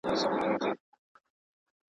د زحل شاوخوا نیمه سپوږمۍ موندل شوې.